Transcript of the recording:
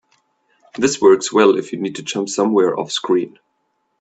This works well if you need to jump somewhere offscreen.